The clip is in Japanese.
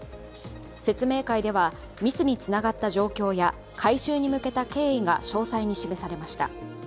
説明会では、ミスにつながった状況や回収に向けた経緯が詳細に示されました。